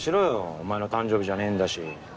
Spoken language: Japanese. お前の誕生日じゃねえんだし。